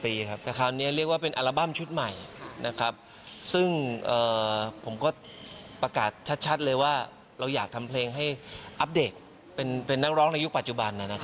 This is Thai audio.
แต่คราวนี้เรียกว่าเป็นอัลบั้มชุดใหม่ซึ่งผมก็ประกาศชัดเลยว่าเราอยากทำเพลงให้อัปเดตเป็นนักร้องในยุคปัจจุบัน